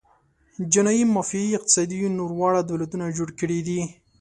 جنايي مافیايي اقتصاد نور واړه دولتونه جوړ کړي دي.